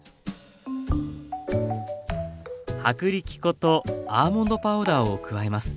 薄力粉とアーモンドパウダーを加えます。